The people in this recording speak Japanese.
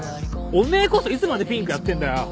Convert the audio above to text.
お前こそいつまでピンクやってんだよ！